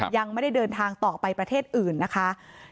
ยังไม่ได้เดินทางต่อไปประเทศอื่นนะคะ